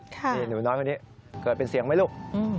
นี่หนูน้อยคนนี้เกิดเป็นเสียงไหมลูก